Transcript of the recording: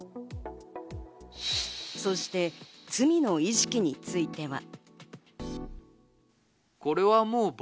そして罪の意識については。